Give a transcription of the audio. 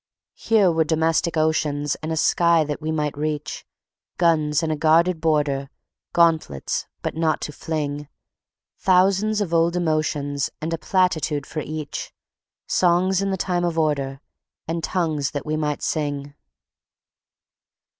Here were domestic oceans And a sky that we might reach, Guns and a guarded border, Gantlets—but not to fling, Thousands of old emotions And a platitude for each, Songs in the time of order— And tongues, that we might sing."